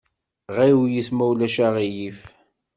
Ɣiwlet ma ulac aɣilif!